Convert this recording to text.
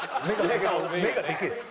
目がでけえっす。